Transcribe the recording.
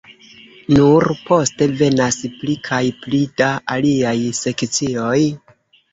Nur poste venas pli kaj pli da aliaj sekcioj.